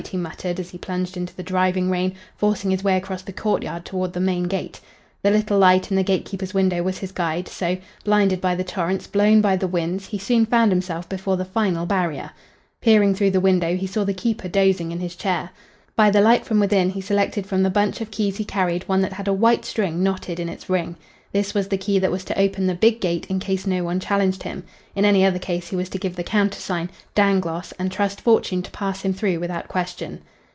he muttered, as he plunged into the driving rain, forcing his way across the court yard toward the main gate. The little light in the gate keeper's window was his guide, so, blinded by the torrents, blown by the winds, he soon found himself before the final barrier. Peering through the window he saw the keeper dozing in his chair. By the light from within he selected from the bunch of keys he carried one that had a white string knotted in its ring. This was the key that was to open the big gate in case no one challenged him. In any other case he was to give the countersign, "Dangloss," and trust fortune to pass him through without question.